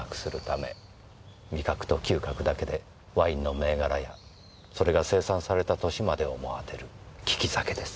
味覚と嗅覚だけでワインの銘柄やそれが生産された年までをも当てる利き酒です。